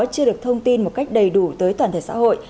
chưa được thông tin một cách đầy đủ tới toàn thể xã hội